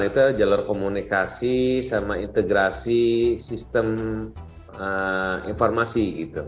itu jalur komunikasi sama integrasi sistem informasi